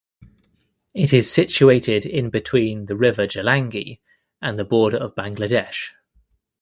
It is situated in between the river Jalangi and the border of Bangladesh.